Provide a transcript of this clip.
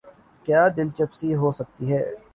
کیا دلچسپی ہوسکتی ہے۔